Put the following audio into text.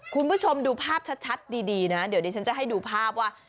คุณผู้ชมดูภาพชัดดีนะเดี๋ยวดิฉันจะให้ดูภาพว่า